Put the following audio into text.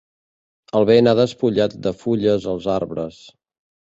El vent ha despullat de fulles els arbres.